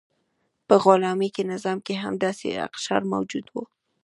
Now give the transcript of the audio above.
په غلامي نظام کې هم داسې اقشار موجود وو.